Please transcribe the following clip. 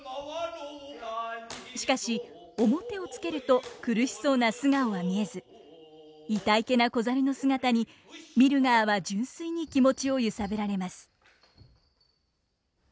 しかし面をつけると苦しそうな素顔は見えずいたいけな子猿の姿に見る側は純粋に気持ちを揺さぶられます。